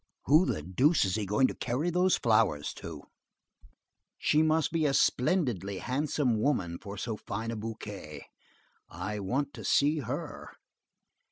Who the deuce is he going to carry those flowers to? She must be a splendidly handsome woman for so fine a bouquet. I want to see her."